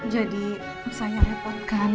jadi saya repotkan